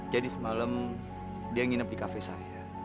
jadi semalam dia nginep di cafe saya